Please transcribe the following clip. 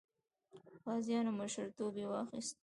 غازیانو مشرتوب یې واخیست.